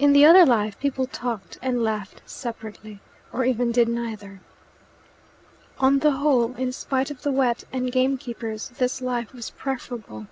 In the other life people talked and laughed separately, or even did neither. On the whole, in spite of the wet and gamekeepers, this life was preferable.